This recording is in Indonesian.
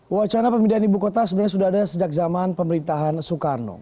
wacana pemindahan ibu kota sebenarnya sudah ada sejak zaman pemerintahan soekarno